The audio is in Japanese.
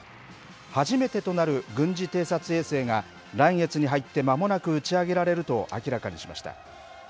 初めてとなる軍事偵察衛星が、来月に入ってまもなく打ち上げられると明らかにしました。